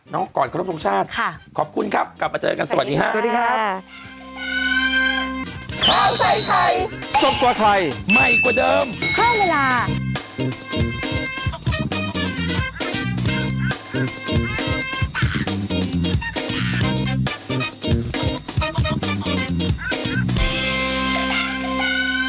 น้องกรครบทรงชาติขอบคุณครับกลับมาเจอกันสวัสดีครับสวัสดีครับสวัสดีครับ